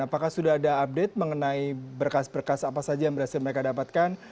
apakah sudah ada update mengenai berkas berkas apa saja yang berhasil mereka dapatkan